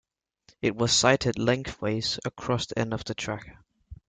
It was sited lengthways across the end of the track.